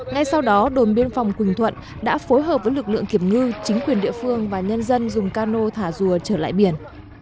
ngay sau đó đồn biên phòng quỳnh thuận đã phối hợp với lực lượng kiểm ngư chính quyền địa phương và nhân dân dùng cano thả rùa trở lại biển